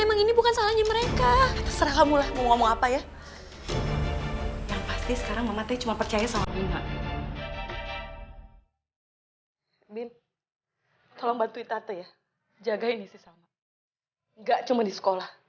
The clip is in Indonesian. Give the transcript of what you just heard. nggak cuma di sekolah